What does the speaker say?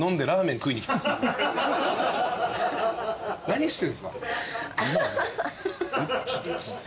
何してんすか？